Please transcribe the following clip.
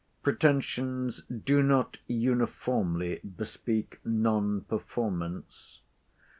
Pretensions do not uniformly bespeak non performance.